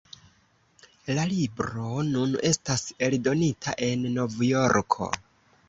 La libro nun estas eldonita en Novjorko.